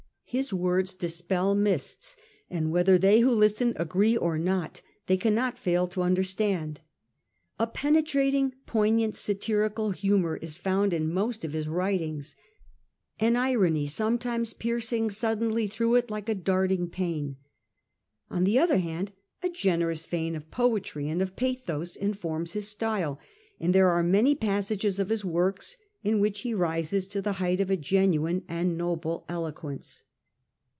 His words dispel mists ; and whether they who listen agree or not, they cannot fail to understand. A penetrating poignant satirical humour is found in most of his writings ; an irony sometimes piercing suddenly through it like a darting pain. On the other hand, a generous vein of poetry and of pathos informs his style ; and there are many passages of his works in which he rises to the height of a genuine and noble eloquence.